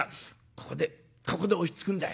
ここでここで落ち着くんだ。